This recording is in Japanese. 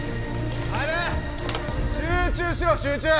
楓集中しろ集中！